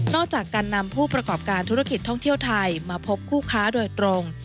จากการนำผู้ประกอบการธุรกิจท่องเที่ยวไทยมาพบคู่ค้าโดยตรง